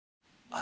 あ！